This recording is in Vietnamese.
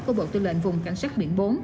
của bộ tư lệnh vùng cảnh sát biển bốn